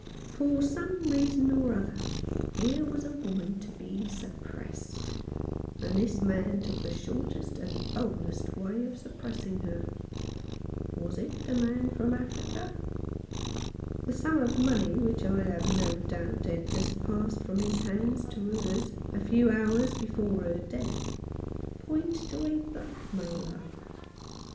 For some reason or other here was a woman to be suppressed ; and this man took the shortest and boldest way of suppressing her. Was it the 113 I Rough Justice. man from Africa? The sum of money which I have no doubt had just passed from his hands to hers a few hours before her death, point to a blackmailer.